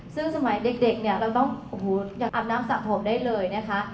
ซึ่งสมัยเด็กเนี่ยเราต้องยังอาบน้ำสระผมได้เลยนะคะ